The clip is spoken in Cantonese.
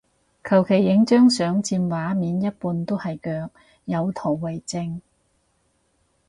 求其影張相佔畫面一半都係腳，有圖為證